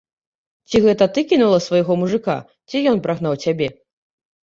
Ці гэта ты кінула свайго мужыка, ці ён прагнаў цябе?